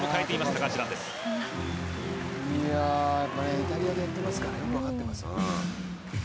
イタリアでやっていますから、よく分かってますね。